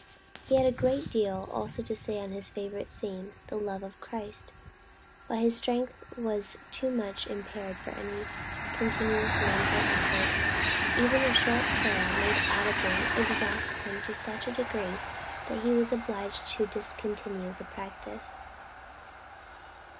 He had a great deal also to say on his favorite theme. "The love of Christ:" but his strength was too much impaired for any continuous mental effort. Even a short prayer made audibly, exhausted him to such a degree that he was obliged to discontinue the practice.